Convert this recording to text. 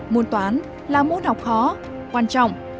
muốn toán là muốn học khó quan trọng